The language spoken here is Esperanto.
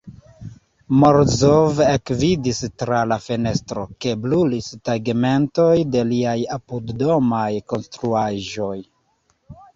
Morozov ekvidis tra la fenestro, ke brulis tegmentoj de liaj apuddomaj konstruaĵoj.